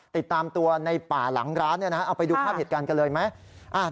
ติดตามตัวในป่าหลังร้านเอาไปดูภาพเหตุการณ์กันเลยไหม